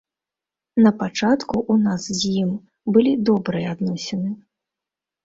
На пачатку ў нас з ім былі добрыя адносіны.